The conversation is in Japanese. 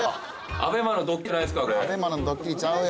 ＡＢＥＭＡのドッキリちゃうよ。